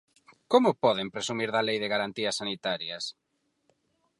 ¿Como poden presumir da Lei de garantías sanitarias?